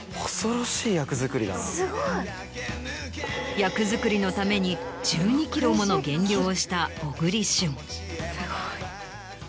役作りのために１２ｋｇもの減量をした小栗旬。